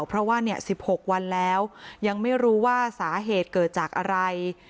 เพราะว่า๑๖วันแล้วยังไม่รู้ว่าสาเหตุเกิดจากอะไร